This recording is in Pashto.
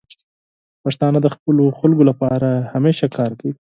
پښتانه د خپلو خلکو لپاره همیشه کار کوي.